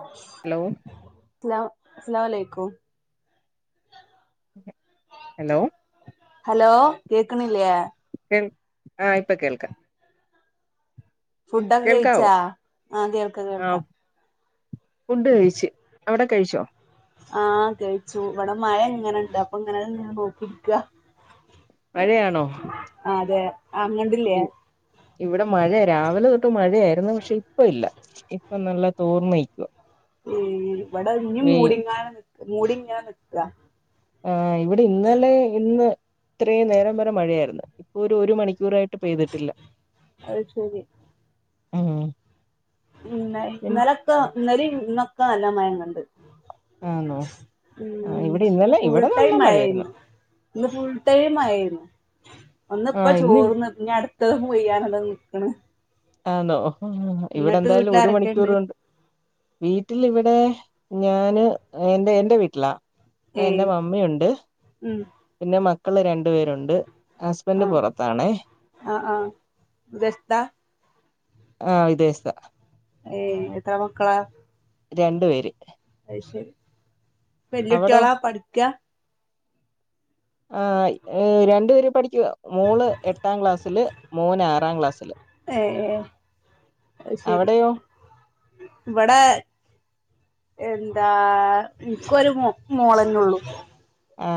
ആ [inaudible] ഹലോ അസ്സലാമുഅലൈക്കും hello hello കേക്ക്ണില്ലേ ആഹ ഇപ്പൊ കേൾക്കാ ഫുഡൊക്കെ കേൾക്കാവോ കഴിച്ചാ ആഹ കേൾക്ക ആ കേൾക്ക ഫുഡ് കഴിച്ച് അവിടെ കഴിച്ചോ ആഹ് കഴിച്ചു ഇവടെ മഴങ്ങനണ്ട് അപ്പൊ ഇങ്ങനെ നിന്ന് നോക്കിക മഴയാണോ ആ അതെ അങ്ങണ്ടില്ലേ ഇ ഇവിടെ മഴ രാവിലെ തൊട്ട് മഴയായിരുന്നു പക്ഷെ ഇപ്പ ഇല്ല ഇപ്പ നല്ല തോർന്നയിക്കുക ഉം ഇവിട ഞ്ഞി മൂടിങ്ങാണ് നി മൂടി ഇങ്ങന നിക്ക. ആഹ് ഇവിടെ ഇന്നലെ ഇന്ന് ഇത്രയും നേരം വരെ മഴയായിരുന്നു ഇപ്പൊ ഒരു ഒരു മണിക്കൂറായിട്ട് പെയ്തിട്ടില്ല അഹ് ശരി ആഹ ന്ന് ഇന്നെലൊക്കോ ഇന്നെലിം ഇന്നൊക്കെ നല്ല മഴന്നണ്ട് ആന്നോ ഉ ആ ഇവിടെ അ ഇന്നലെ ഫുൾ ഇവിടെ നല്ല ടൈം മഴയായിരുന്നു ആയരുന്നു ഇന്ന് ഫുൾ ടൈം മഴ ആയിരുന്നു ഒന്ന് ആ ഇപ്പോൾ ഇന്ന് ചോർന്നു ഇഞ് അടുത്തത് പൊയ്യാനതാ നിക്ക്ണ് ആന്നോ ഇവടെ എന്തായാലും ഒരു വീട്ടിലാരൊക്കെണ്ട് മണിക്കൂറോണ്ട് വീട്ടിൽ ഇവിടെ ഞാന് എൻറെ വീട്ടിലാ പ്പൊ എന്റെ ഏയ് മമ്മയുണ്ട് ഉം പിന്നെ മക്കള് രണ്ടു പേരുണ്ട് ഹസ്ബന്റ് ആഹ് പൊറത്താണേ ആഹ് ആഹ് വ്യസ്ടാ ആ വിദേശ്ത്ത ഏയ് എത്ര മക്കളാ രണ്ടു പേര് അത് ശരി അവിടോ വെല്ലുട്ട്യാളാ പഠിക്കാ ആ രണ്ടുപേരെ പഠിക്കുക മോൾ എട്ടാം ക്ലാസ്സില് മൂന്ന ആറാം ക്ലാസ്സില് ഏഹ് ഏഹ് അഹ് ശരി അവിടെയോ ഇവടെ എന്താ ഇൻക്കൊരു മോ മോളന്നള്ളൂ ആ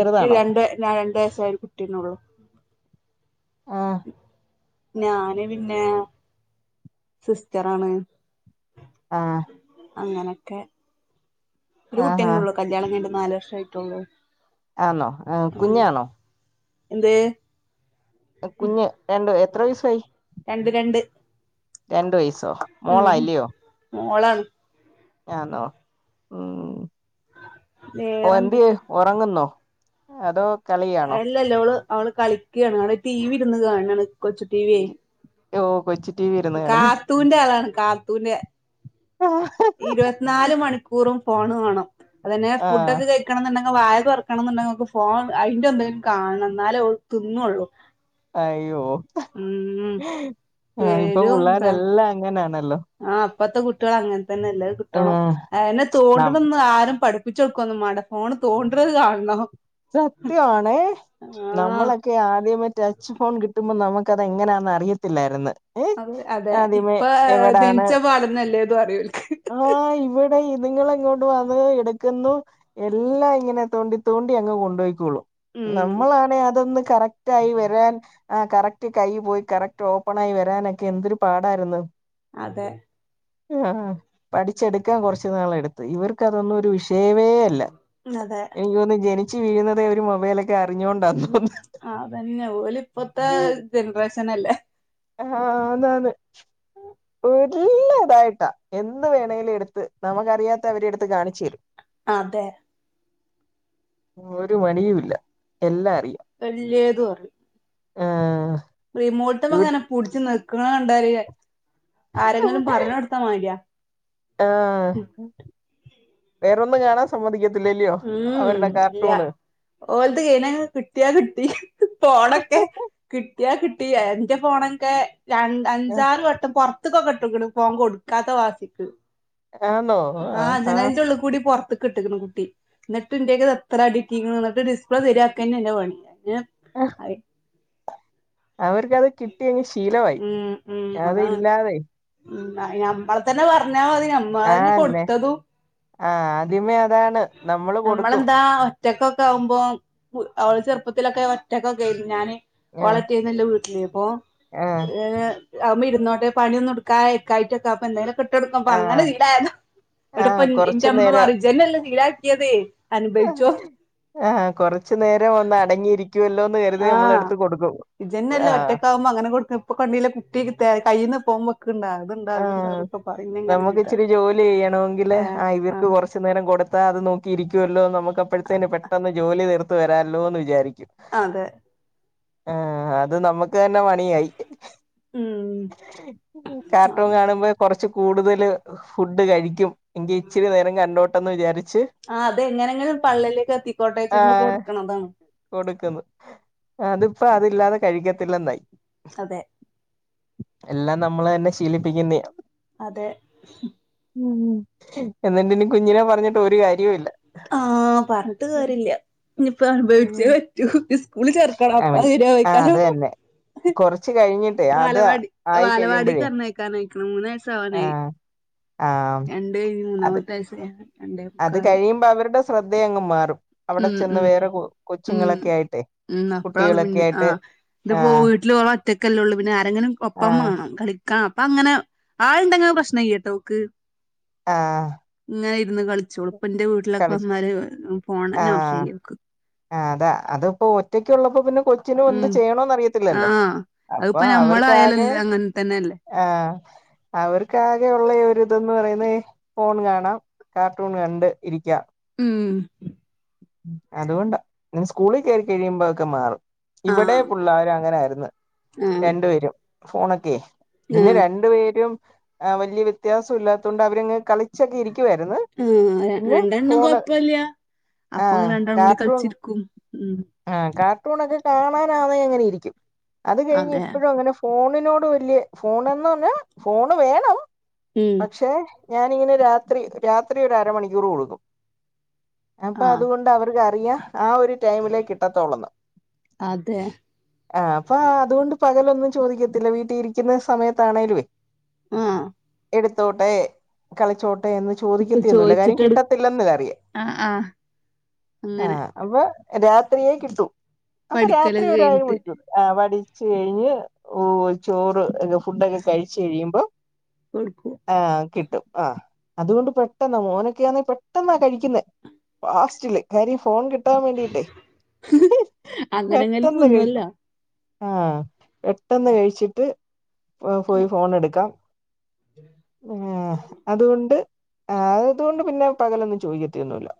ഇക്ക് രണ്ട് ഞാ രണ്ട് വയസ്സായ ഒരു കുട്ടിന്നെ ഒള്ളു ആ ഞാന് പിന്നെ സിസ്റ്ററാണ് ആഹ അങ്ങനെക്കെ ഒരു കുട്ടി ആഹാ ന്നെയെള്ളൂ കല്യാണം കഴിഞ്ഞിട്ട് നാല് വർഷ ആയിട്ടുള്ളൂ ആന്നോ ആ കുഞ്ഞാണോ എന്തേ കുഞ്ഞ് രണ്ടോ എത്ര വയസായി രണ്ടു രണ്ട് രണ്ടു വയസ്സോ ഉം മോളാല്ലയോ മോളാണ് ഞാനോ ഉ ഓ എന്തെ വേറെന്തൊക്കെ ഉറങ്ങുന്നോ അതോ കളിയാണോ ല്ലോ അവള് കളിക്കയാണ് അവള ടി വി ഇരുന്ന് കാണാണ് കൊച്ചു ടിവിയെ ഓഹ കൊച്ചു ടിവി ഇരുന്ന കാണുന്ന കാത്തുന്റെ ആളാണ് കാത്തുന്റെ ആഹ് ഇരുവത്ത്നാല് മണിക്കൂറും ഫോണ് വാണം അതന്നെ ആ ഫുഡൊക്കെ ക വായ തുറക്കണം എന്നുണ്ടെങ്കിൽ വായ തുറക്കണം എന്നുണ്ടെങ്കിൽ അവൾക്ക് ഫോൺ അതിന്റെറെ എന്തേലും കാണണം എന്നേലേ തിന്നള്ളൂ അയ്യോ ആഹ് ഇപ്പൊ പുള്ളേരെല്ലാം അങ്ങനാണല്ലോ ആ ഇപ്പത്തെ കുട്ട്യള് അങ്ങൻതന്നെല്ലേ അത് കിട്ടണം ആഹ് അഅന്നെ നം തോണ്ട്ണൊന്നും ആരും പഠ [unintelligible] മാണ്ട ഫോൺ തോണ്ട്ണത് കാണണം സത്യണ ആഹ് നമ്മളൊകെ ക്ക് ആദ്യമേ ടച്ച് ഫോൺ കിട്ടുമ്പോ നമ്മക്കതെങ്ങനെന്നറിയത്തില്ലായി രുന്നു അത അതെ ഇപ്പൊ ജനിച്ച പാടന്നല്ലേതും അറിയോല്‍ക്ക് ആഹ് ഇവിടെ ഇത്ങ്ങൾ എങ്ങോണ്ടൊ അത് ഇട്ക്കുന്നു എല്ലാം ഇങ്ങനെ തോണ്ടി തോണ്ടി അങ് കൊണ്ടൊയ്കോളും ഉം നമ്മളാണേ അതൊന്ന് കറക്റ്റായി വരാൻ ആ കറക്റ്റ് കൈയിൽ പോയി കറക്റ്റ് ഓപ്പൺ ആയി വരാനൊക്കെ എന്തൊരു പാടായിരുന്നു അതെ ആ പഠിച്ചെടുക്കാൻ കുറച്ചു നാള എടുത്ത് ഇവർക്ക് അതൊന്നും ഒരു വിഷയമേ അല്ല അതെ എനിക്ക്തോന്നുന്നു ജനിച്ചു വീഴുന്നതേ ഒരു മൊബൈലേക്ക് അറിഞ്ഞോണ്ട തോന്നുന്നു ആഹ് അതന്നെ ഓല് ഇപ്പത്തെ ജനറേഷനല്ലേ ആഹ് അ ന്നാന്ന് ഓ വിട്ടിൽ ഇല്ല തായിട്ടാ എന്ത് വേണമെങ്കിലും എടുത്ത് നമുക്കറിയാത്ത അവരെ എടുത്ത് കാണിച്ചു തരും അതെ ഒരു മണിയും ഇല്ല എല്ലാം അറിയാം വലിയേത് പറയും ആഹ റിമോട്ട്മ്മങ്ങനെ പുട്ച്ച് നെക്ക്ണണ്ടാല് ആരെങ്കിലും പഞ്ഞ്ട്ത്ത മാരിയാ ആ വേറൊന്നും കാണാൻ സമ്മതിക്ക ഉം ഇല്ല ഓലത് കയിഞ്ഞ് കിട്ടിയാ കിട്ടി ഫോണൊക്കെ കിട്ടിയാ കിട്ടിയാ എന്റെ ഫോണൊക്കെ രണ്ട് അഞ്ചാറ് വട്ടം പുറത്തക്ക് ഒക്കെ ഫോൺ കൊടുക്കും ക്കാത്ത വാസിക് ആന്നോ ആഹ് ആഹാ ജനൽന്റെ ഉള്ള് കൂടി പൊറത്ത്ക്ക്ട്ട്ണ് കുട്ടി ന്ന്ട്ട് ഇന്റെക്കന്ന് എത്ര അടിട്ടീക്ക്ണ് ന്ന്ട്ട് ഡിസ്പ്ലേ ശെരിയാക്കന്നെ ഇന്റെ പണി [unintelligible] അവർക്കത് കിട്ടിയങ്ങ് ശീലമായി ഉം ഉം അത് അതാണ് ഇല്ലാതെ ഉം അ നമ്മള തന്നെ പറഞ്ഞാൽ മതി ഞ മാനേ ആന്നെ കൊടുത്തതും ആഹ് ആദ്യമേ അതാണ് നമ്മള് കൊടുക്കും നമ്മളെന്താ ഒറ്റക്കൊക്കെ ആകുമ്പോൾ അവള് ചെറുപ്പത്തിലൊക്കെ ഒറ്റക്കൊക്കെ ആയിരുന്നു ഞാന് ഓൾ ആഹ് ഒറ്റക്കല്ലേ വീട്ടിൽ അപ്പൊ ആഹ് അത്മ്മേ ഇരുന്നോട്ടെ പണി ഒന്നും ഇടുക്കാനയ്കാഞ്ഞിട്ടാകുമ്പോ എന്തേലൊ ഇട്ടൊട്കുമ്പോ അങ്ങനെ ആഹ് ശീലായതാ ഇങ്ങട്ട് പ്പൊ ആഹ് ഇന്റെ കൊറച്ചു ഇമ്മ നേരം പറിം ഇജെന്നല്ലേ ശീലാക്കേത് ആ് കൊറച്ചു നേരം ഒന്ന് അടങ്ങിയിരിക്കുമല്ലോ ആഹ് ഇജ്ജ്ന്നല്ലേ ആഹ് ഒറ്റക്കാവുമ്പോ അങ്ങനെ കൊടുക്ക ഇപ്പൊ കണ്ടീലെ കുട്ടി തെ കയ്യീന്ന് ഫോൺ വെക്ക്ണ്ടൊ ആഹ നമുക്ക് ഇച്ചിരി ജോലി ചെയ്യണമെങ്കില് ഏഹ് ആ ഇവർക്ക് കുറച്ച് ആഹ് കുറച്ച് നേരം കൊടുത്തൽ അത് നോക്കിയിരിക്കുവല്ലോ നമുക്ക് അപ്പോഴത്തേും പെട്ടെന്ന് ജോലി ത്തി ർത് വരാമല്ലോ എന്ന് വിചാരിക്കും അതെ ആഹ് അത് നമ്മക്ക് തന്നെ പണിയായി ഉം കാർട്ടൂൺ കാണുമ്പോ കൊറച്ച് കൂടുതല് ഫുഡ് കഴിക്കും എങ്കി ഇച്ചിരി നേരം കണ്ടോട്ടെന്ന് വിചാരിച്ച് ആഹ് അതെങ്ങനെങ്കിലും പള്ളീലേക്ക് എത്തിക്കോട്ടെച്ട്ട് ആഹ് കൊടുക്ക്‌ണതാണ് കൊടുക്കുന്നു അതിപ്പോ അതില്ലാതെ കഴിക്കത്തില്ലെന്നായി അതെ എല്ലാം നമ്മള്ന്നെ ശീലിപ്പിക്കുന്ന്യാ അതെ ഉ എന്നിട്ട് ഇനി കുഞ്ഞിനെ പറഞ്ഞിട്ട് ഒരു കാര്യവും ഇല്ല ആഹ പറഞ്ഞിട്ട് കാര്യമില്ല ഇനിപ്പോ അനുഭവിച്ചേ ഉം പറ്റൂ സ്കൂള് ചേർക്കണം അപ്പൊ അവൻ ആ അത് സെര്യാവയ്കാരം. തന്നെ കൊറച്ച് കഴിഞ്ഞിട്ടേ അത് ആയി കഴിയുമ്പോഴേ ക്കാനായിക്കണ് മൂന്നാഴ്ച്ച ആവാനായി ആ രണ്ട് കഴിഞ്ഞ് അത് മൂന്നാമത്തെ വയസയാണ് അത് കഴിയുമ്പോ അവരുടെ ശ്രദ്ധയ അങ്ങ് മാറും അവിടെ ഉം ചെന്ന് ഉം വേറെ ഉം കൊച്ചുങ്ങളൊക്കെ ആയിട്ടേ ഉം അപ്പഴാണ് പിന്നെ ആഹ് ഇത് പോ വീട്ടിൽ ഓള് ഒറ്റക്കല്ലേയുള്ളൂ പിന്നെ ആരെങ്കിലും ആ ഒപ്പംവേണം കളി കാ പ്പങ്ങനെ ആൾണ്ടെങ്കില് പ്രശ്നയ്യ ട്ടോൾക്ക് ആഹ് ഇങ്ങനെ ഇരുന്ന് കളിച്ചോളും പ്പന്റെ വീട്ടിലൊക്കെ കളി വന്നാല് ആ പോണന്നെ അവശ്യം ഇല്ല ഓക് ആ അതാ അത് ഇപ്പോ ഒറ്റക്ക് ഉള്ളപ്പോ പിന്നെ കൊ ച്ചിനും എന്ത് ഉം ചെയ്യണന്നറിയത്തില്ലല്ലോ ആഹ് അപ്പൊ അതിപ്പോ അവർക്കാകെ നമ്മളായാലല്ലേ അങ്ങനെ തന്നെയല്ലേ ആഹ് അവർക്കാകെയുള്ള ഒരിതന്ന് പറയുന്നെ ഫോൺ കാണാം കാർട്ടൂൺ കണ്ട് ഇരിക്ക്യ ഉം അതുകൊണ്ടാ ഇനി സ്കൂളിൽകേറി കഴിയുമ്പോ അതൊക്കെമാറും ഇവിടെ ആഹ് പിള്ളർ അങ്ങനൊയിന്ന് ആഹ് രണ്ടു പേരും ഫോണൊക്കെ പിന്നെ ആഹ് രണ്ടു പേരും വല്യ വ്യത്യാസം ഇല്ലാത്ത കൊണ്ട് അവരങ്ങ് കളിച്ചൊക്കെ ഇരിക്കുവായിരുന്നു ആ പിന്നെ രണ്ടെണ്ണം ഫോണ് കൊഴപ്പല്ല അപ്പ ആഹ് അങ്ങനെ രണ്ടെണ്ണം കൂടി കാർട്ടൂൺ കളിച്ചിരിക്കും ഉം ആഹ് കാർട്ടൂണൊക്കെ കാണാനാന്നെ ഇങ്ങനെരിക്കും അത് കഴിഞ്ഞ് അതെ എപ്പോഴും അങ്ങനെ ഫോ ഫോണിനോട് വല്യയ ഫോൺന്ന് പറഞ്ഞാ ഫോണ് വേണം ഉം പക്ഷേ ഞാനിങ്ങനെ രാത്രി രാത്രി ഒരു അരമണിക്കൂർ കൊടുക്കും അപ്പൊ ആഹ് അതുകൊണ്ടവർക്ക് അറിയാ ആഹ് ഒരു ടൈമിലേക്ക് കിട്ടത്തോളന്ന് അതെ ആ അപ്പൊ അതുകൊണ്ട് പകലൊന്നും ചോദിക്കത്തില്ല വീട്ടിൽ ഇരിക്കുന്ന സമയത്താണേങ്കലും വ്യ ആഹ എടുത്തോട്ടെ കളിച്ചോ ന്ന് ഇപ്പൊ ചോദിക്കത്തിയൊന്നുവില്ല കാര്യം ചോയിച്ചിട്ട് എടു കിട്ടത്തില്ലന്ന് ഇതറിയാം ആഹ് ആഹ് അങ്ങനെ ആഹ് അപ്പൊ രാത്രിയേ കിട്ടൂ അപ്പൊ രാത്രി പഠിക്കലൊക്കെ കഴിഞ്ഞിട്ട് [unintelligible] ആഹ് വടിച്ചുകഴിഞ്ഞ് ഓ ചോറ് ഫുഡൊക്കെ കഴിച്ച് കഴിയുമ്പോ കൊഴക്കും ആ കിട്ടും ആ അതുകൊണ്ട് പെട്ടെന്ന മോനൊക്കെയാന്നെ പെട്ടെന്നാ കഴിക്കുന്നത് ഫാസ്റ്റില് കാര്യം ഫോൺ കിട്ടാൻ വേണ്ടിയിട്ടേ അങ്ങനെങ്ങലും പെട്ടെന്ന് തിന്നുവല്ല കേക്കും ആഹ് പെട്ടെന്ന് കഴിച്ചിട്ട് പോയി ഫോൺ എടുക്കാം ആഹ് അതുകൊണ്ട് ആഹ് അതുകൊണ്ട് പിന്നെ പകലൊന്നും ചോയിക്കത്തിയൊന്നുമില്ല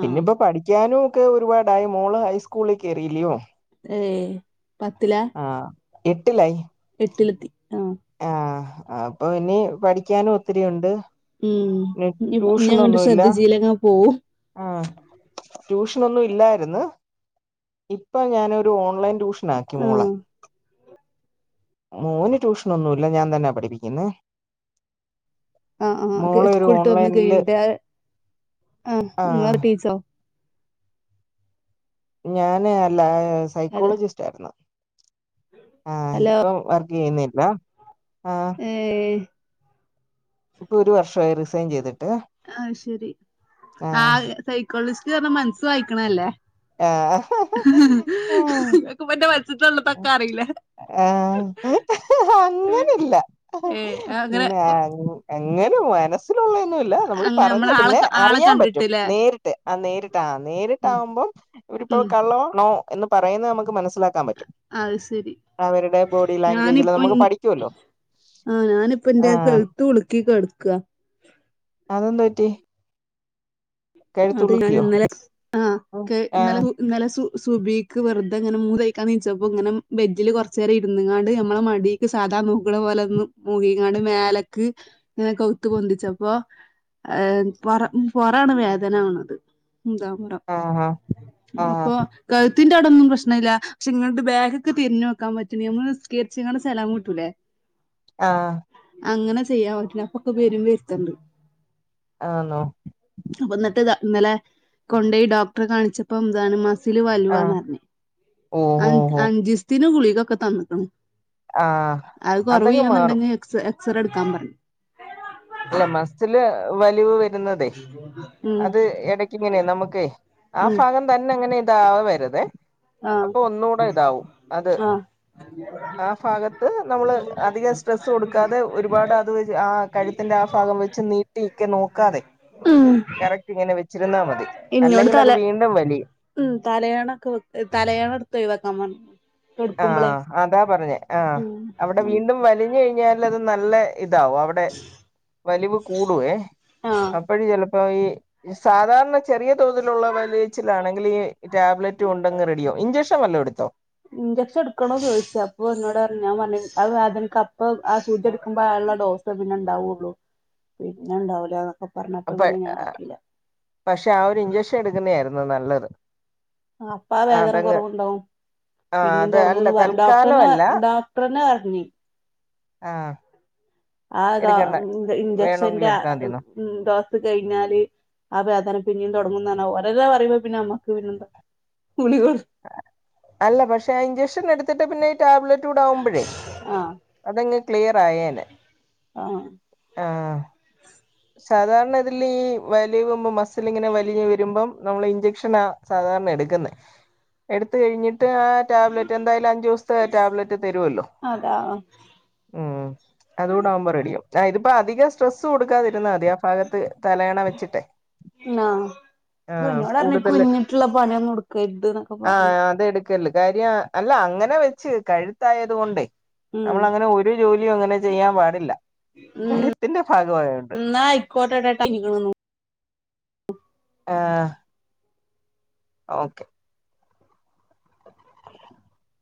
പിന്നെ ഇപ്പോ പഠിക്കാനും ഒക്കെ ഒരുപാട് ണ്ടായി മോള് ഹൈസ്കൂളിലേക്ക് കേറിയില്ലയോ ഏഹ് പത്തിലാ ആഹ് എട്ടിലായി വീട്ടിലെത്തി ഉം ആഹ് അപ്പൊ ഇനിപഠിക്കാനും ഒത്തിരിയുണ്ട് ഉം ഇനി ഇനി അങ്ങട്ട് ട്യൂഷനൊന്നുല്ല ശ്രദ്ധിച്ചിലെക്കി പോവും ആഹ് ട്യൂഷനൊന്നും ഇല്ലായിര്ന്ന് ഇപ്പൊ ഞാനൊരു ഓൺലൈൻ ട്യൂഷനാക്കി മോളെ ആഹ് മോന് ട്യൂഷൻ ഒന്നുല്ല ഞാൻ തന്നെയ പഠിപ്പിക്കുന്നേ ആഹ് ആഹ് മോളെ ഒരു സ്കൂളിട്ട് വന്ന് ഓൺലൈനില് കഴിഞ്ഞിട്ടെ ആ നിങ്ങ ആഹ് ടീച്ചോ ഞാന് അല്ല അല്ല സൈക്കോളജിസ്റ്റായിരുന്നു ആഹ് ഹലോ ഇപ്പൊ വർക്ക് ചെയ്യുന്നില്ല ആഹ് [unintelligible] പ്പൊ ഒരു വർഷായി റിസൈൻ ചെയ്തിട്ട് ആഹ് ശെരി ആ ആഹ് സൈക്കോളജിസ്റ്റ് പറഞ്ഞ മനസ്സ് വായിക്കണ അല്ലേ ആഹ് ക്ക മറ്റേ വച്ചിട്ടള്ളതൊക്കെ അറിയില്ല ആഹ് അങ്ങനില്ല ഏഹ് അങ്ങനെ എങ്ങനെ മനസ് ഇതിലുള്ളൊന്നല്ല നമ്മൾ അങ്ങനെ പറഞ്ഞ നമ്മളെ ആളെ പിന്നെ ആളെ അറിയാൻ പറ്റും കണ്ടിട്ടില്ലേ നേരിട്ട് ആ നേരിട്ടാ ഉം നേരിട്ടാവുമ്പോൾ ഒരിപ്പൊ ഉം കള്ളോണോ എന്ന് പറയുന്നത് നമുക്ക് മനസ്സിലാക്കാൻ പറ്റും അത് ശരി അവരുടെ ബോഡി ലാംഗ്വേജില് ഞാനിപ്പ ഇൻ നമുക്ക് പഠിക്കുവല്ലോ ആഹ് ഞാനിപ്പ എന്റെ ആഹ് കെഴുത്ത് ഉളുക്കി കിടക്കുക അതെന്തു പറ്റി അത് ഞാൻ കഴുത്തുളുക്കിയോ ഇന്നലെ ആ ക്ക്‌ ഇന്നലെ ആഹ് ന്നല്ലെ സു സുബീക്ക് വെറുതെ ഇങ്ങനെ മൂതയ്ക്കാൻ നീച്ചപ്പോ ങ്ങനെ ബെജില് കോറച്ചേരം ഇരുന്ന്ങ്ങാണ്ട് അമ്മളെ മടി ക്ക്‌ സാധാ നൂക്ക്‌ണ പോലെ നൂക്കിങ്ങാണ്ട് മേലേക്ക്‌ ങ്ങനെ കൗത്ത് പൊന്തിച്ചപ്പോ പെറ പെറാണ് വേ ഇതാണത് മന്താമുറം ആഹ് ആഹ് അപ്പൊ കഴുത്തിന്റെ അവിടൊന്നും പ്രശ്ന ഇല്ല പക്ഷെ ഇങ്ങട് ബാക്ക്ക്ക് തിരിഞ്ഞോക്കാൻ പറ്റ്ണ് മ്മള് നിസ്കേരിച്ച്ങ്ങാണ്ട് സലാം വീട്ടുലെ ആഹ് അങ്ങനെ ചെയ്യാൻപറ്റൂല പ്പൊക്കെ വരും വരുത്തുണ്ട് ആന്നോ അപ്പ എന്നിട്ട് ഇന്നലെ കൊണ്ടഈ ഡോക്ടറെ കാണിച്ചപ്പോ എതാണ് മ ഞ്ചില് വാൽവാന്ന് ആഹ് പറഞ്ഞ് ഓഹ് അഹ് ഓഹ് ഓഹ് അഞ്ചുസ്തേന് ഗുളികയൊക്കെ തന്ന്ക്കണു ആഹ് അത് അതങ്ങ് മാറും കൊറവ്ചെയ്യൂന്നുണ്ടെങ്കി എക്സ് എക്സറേ എടുക്കാൻ പറഞ്ഞ് അല്ല മസില് വലിവ് വ ന്നതേ ഉം അത് എടക്കിങ്ങനെ നമ്മക്കെ ആ ഉം ഭാഗം തന്നെ ഇങ്ങനിതാവരുതേ ആഹ് അപ്പൊ ഒന്നുടെ ഇതാവും അത് ആഹ് ആ ഭാഗത്ത് നമ്മള് അധികം സ്ട്രെസ്സ് കൊടുക്കാതെ ഒരുപാട് അത് ആ കഴുത്തിന്റെ ആ ഭാഗം വെച്ച് നീട്ടിക്കെ നോക്കാതെ ഉം കറക്റ്റ് ഇങ്ങനെ വെച്ചിരുന്നാ മതി ഇന്നോട് തല അല്ലെങ്കിലത് വീണ്ടും വലിയും ഉം തലയാണൊക്കെ വെ തലയാണ എടുത്ത് ഒയിവാക്കാൻ പറഞ്ഞു കെടുക്കുമ്പളേ ആഹ് അതാ പറഞ്ഞേ ആഹ് ഉം അവിടെ ഉം വീണ്ടും വലിഞ്ഞുകയിഞ്ഞാ ത് നല്ല ഇതാവും അവിടെ വലിവ് കൂടുവേ ആഹ് അപ്പോഴ ചെല ഇപ്പൊ ഈ സാധാരണ ചെറിയ തോതിലുള്ള വലിയച്ചിലാണെങ്കിൽ ഈ ടാബ്ലറ്റ് കൊണ്ടങ്ങ് റെഡിയാക്കും ഇഞ്ചെക്ഷൻ വല്ലോ എടുത്തോ ഇഞ്ചെക്ഷൻ എടുക്കണോ ചോദിച്ചത് അപ്പൊ എന്നോട് പറഞ്ഞ് ഞാൻ പറഞ്ഞ അത് വദ കപ്പ് ആ സൂചയ എടുക്കുമ്പോ ആള്ള ഡോസ് ഇപ്പം പിന്നെ ഉണ്ടാവുള്ളൂ പിന്നെ ഉണ്ടാവില്ല അപ്പൊ പറഞ്ഞപ്പ അപ്പ പിന്നെ ഞാൻ ആക്കില്ല എടുക്കുന്നയായിരുന്നു നല്ലത് ആഹ് അപ്പ വേദന അതങ്ങ് കൊറവുണ്ടാവും ആ പിന്നേം അത് അല്ല തുടങ്ങുന്ന് തൽക്കാലം ഡോക്ടർന്ന് അല്ല ഡോ [unintelligible] ആഹ് ആഹ് അതാ ഇഞ്ച ഇഞ്ചക്ഷന്റ വേണമെങ്കിൽ എടുത്താൽ മതിന്നോ ഡോസ് കഴിഞ്ഞാല് അതെ അതാണ് പിന്നീും തുടങ്ങുന്നന്ന ഒരെല്ലാം പറയുമ്പോ പിന്നെ നമ്മക്ക് പിന്നെന്താ [inaudible] അല്ല പക്ഷെ ഇഞ്ചക്ഷൻ എടുത്തിട്ട് പിന്നെ ഈ ടാബ്ലറ്റ് കൂടാവുമ്പോഴേ ആഹ് അതങ്ങ് ക്ലിയർ ആയേനെ ആഹാ ആഹ് സാധാരണ ഇതിൽ ഈ വലിവും മസിൽ ഇങ്ങനെ വലിഞ്ഞ് വരുമ്പം നമ്മൾ ഇഞ്ചക്ഷനാ സാധാരണ എടുക്ക്ന്ന എടുത്ത് കഴിഞ്ഞിട്ട് ആഹ് ടാബ്ലറ്റ് എന്തായാലും അഞ്ചു ദിവസത്തെ ടാബ്ലറ്റ് തരുവല്ലോ അതാ ആഹ് ഉം അതുകൂട ആവുമ്പോ റെഡിയാവും ഇതിപ്പ അധികം സ്ട്രെസ്സ് കൊടുക്കാതിരി [unintelligible] ഭാഗത്ത് തലേണ വെച്ചിട്ടെ ആഹ് ആഹ് ന്നോട് കൂടുതല് കുനിഞ്ഞിട്ടുള്ള പണിയൊന്ന് എടുക്കരുതെന്നൊക്കെ പറഞ്ഞു ആഹ് അതെടുക്കല്ല് കാര്യം അല്ല അങ്ങനെ വെച്ച് കഴുത്തായത് കൊണ്ടേ ഉം നമ്മൾ അങ്ങനെ ഒരു ജോലിയും അങ്ങനെ ചെയ്യാൻ പാടില്ല, കഴുത്തിന്റെ ഭാഗമായൊണ്ട് [unintelligible] നിങ്ങളൊന്നും ആഹ് ഓക്കെ [inaudible]